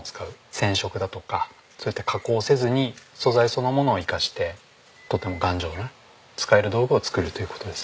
染色だとかそういった加工をせずに素材そのものを生かしてとても頑丈な使える道具を作るという事ですね。